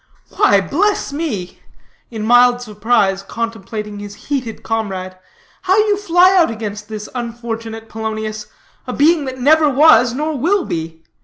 "Why, bless me," in mild surprise contemplating his heated comrade, "how you fly out against this unfortunate Polonius a being that never was, nor will be.